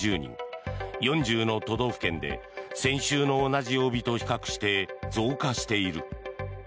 ４０の都道府県で先週の同じ曜日と比較して増加している。